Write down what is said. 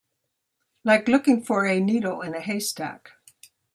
Like looking for a needle in a haystack.